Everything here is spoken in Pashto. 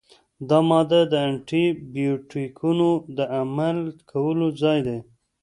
دا ماده د انټي بیوټیکونو د عمل کولو ځای دی.